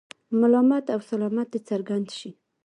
ملامت او سلامت دې څرګند شي.